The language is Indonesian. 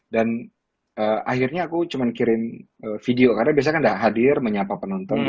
dan akhirnya aku cuma kirim video karena biasanya kan ada hadir menyapa penonton